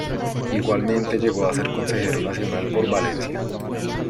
Igualmente llegó a ser Consejero Nacional por Valencia.